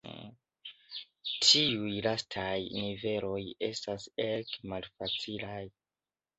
Tiuj lastaj niveloj estas ege malfacilaj.